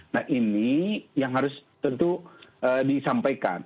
nah ini yang harus tentu disampaikan